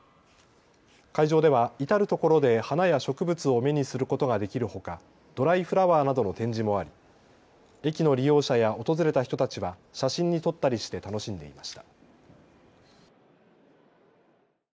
会場では至る所で花や植物を目にすることができるほかドライフラワーなどの展示もあり駅の利用者や訪れた人たちは写真に撮ったりして楽しんでいました。